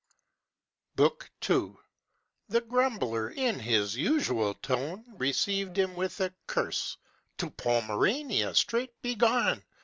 BOOK II. The grumbler, in his usual tone, Received him with a curse: "To Pomerania straight begone!